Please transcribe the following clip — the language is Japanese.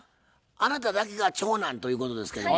あなただけが長男ということですけども。